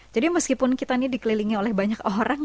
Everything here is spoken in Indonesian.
jadi meskipun kita dikelilingi oleh banyak orang